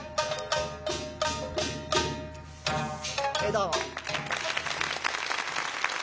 どうも。